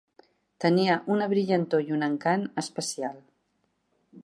Tenia una brillantor i un encant especial.